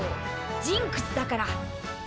ジンクスだから。